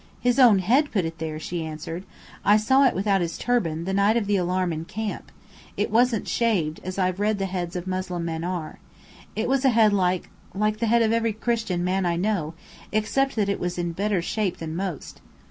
"His own head put it there," she answered. "I saw it without his turban, the night of the alarm in camp. It wasn't shaved, as I've read the heads of Moslem men are. It was a head like like the head of every Christian man I know, except that it was a better shape than most!